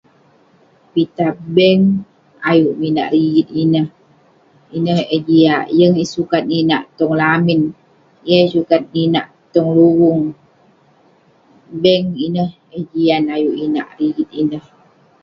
Pitah bank ayuk minat rigit ineh. Ineh eh jiak, yeng eh sukat ninak tong lamin, yeng eh sukat ninak tong luvung. Bank ineh eh jian ayuk inak rigit ineh.